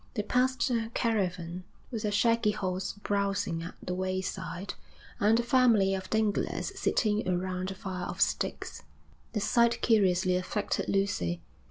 They passed a caravan, with a shaggy horse browsing at the wayside, and a family of dinglers sitting around a fire of sticks. The sight curiously affected Lucy.